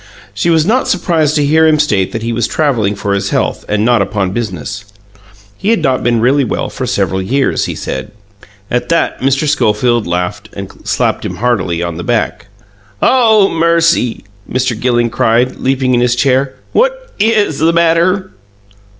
She was not surprised to hear him state that he was travelling for his health and not upon business. He had not been really well for several years, he said. At that, Mr. Schofield laughed and slapped him heartily on the back. "Oh, mercy!" Mr. Gilling cried, leaping in his chair. "What IS the matter?"